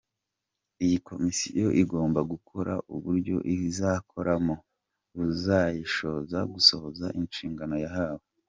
Iyi Komisiyo igomba gutora uburyo izakoramo, buzayishoboza gusohoza inshingano yahawe.